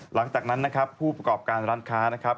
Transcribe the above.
หลังจากนั้นนะครับผู้ประกอบการร้านค้านะครับ